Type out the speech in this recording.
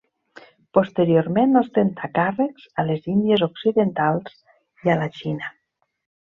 Posteriorment ostentà càrrecs a les Índies occidentals i a la Xina.